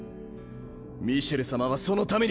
ミシェル様はそのために。